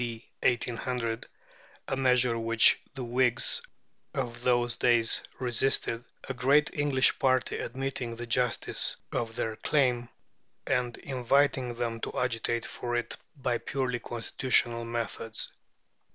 D. 1800 (a measure which the Whigs of those days resisted), a great English party admitting the justice of their claim, and inviting them to agitate for it by purely constitutional methods.